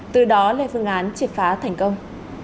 từ đó lại phương án triệt phá thành công